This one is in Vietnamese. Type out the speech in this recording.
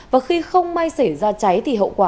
và khi không may xảy ra cháy thì hậu quả sẽ bị bắt